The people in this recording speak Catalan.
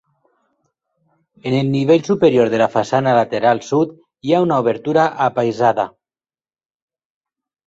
En el nivell superior de la façana lateral sud hi ha una obertura apaïsada.